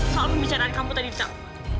soal pembicaraan kamu tadi cak